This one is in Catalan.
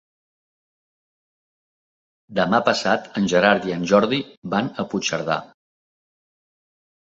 Demà passat en Gerard i en Jordi van a Puigcerdà.